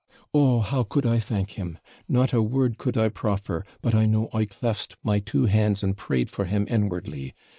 Oh, how could I thank him not a word could I proffer but I know I clasped my two hands, and prayed for him inwardly.